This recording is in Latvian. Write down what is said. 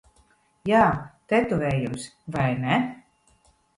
Jā, tetovējums. Vai ne?